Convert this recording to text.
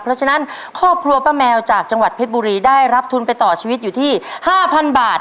เพราะฉะนั้นครอบครัวป้าแมวจากจังหวัดเพชรบุรีได้รับทุนไปต่อชีวิตอยู่ที่๕๐๐บาท